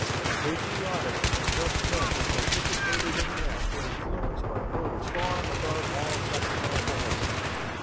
The patriotic and just men who participated in the act were influenced by motives far above all sectional jealousies.